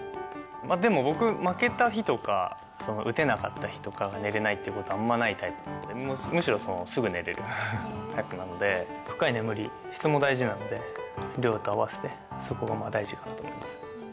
でも僕、負けた日とか、打てなかった日とかが寝れないということがあんまりないタイプなので、むしろすぐ寝れるタイプなので、深い眠り、質も大事なので、量と合わせて、そこが大事かなと思います。